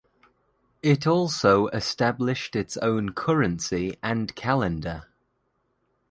It also established its own currency and calendar.